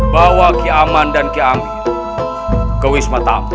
bawa kiaman dan kiamil ke wismatamu